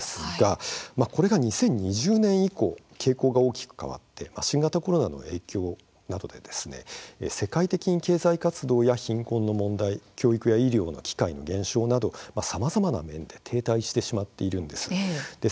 これが２０２０年以降傾向が大きく変わって新型コロナの影響などで世界的に経済活動や貧困の問題教育、医療機関の減少などさまざまな面で停滞しています。